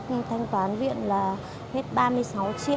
nhưng thanh toán viện là hết ba mươi sáu triệu